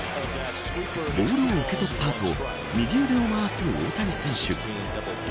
ボールを受け取った後右腕を回す大谷選手。